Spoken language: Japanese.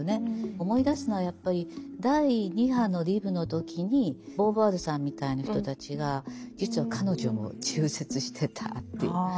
思い出すのはやっぱり第二波のリブの時にボーヴォワールさんみたいな人たちが実は彼女も中絶してたという。